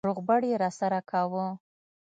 روغبړ يې راسره کاوه.